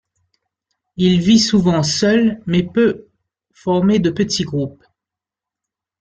Il vit souvent seul mais peut former de petits groupes.